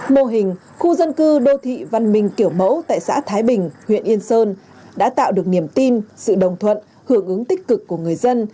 mô hình khu dân cư đô thị văn minh kiểu mẫu tại xã thái bình huyện yên sơn đã tạo được niềm tin sự đồng thuận hưởng ứng tích cực của người dân